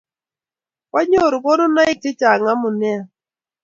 Kwanyoru konunoik chechang' nia amut